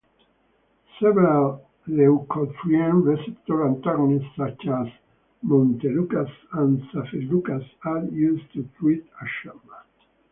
Several leukotriene receptor antagonists such as montelukast and zafirlukast are used to treat asthma.